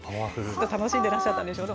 楽しんでらっしゃったんでしょうね。